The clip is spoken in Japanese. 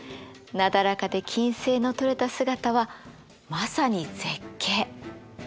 なだらかで均斉の取れた姿はまさに絶景。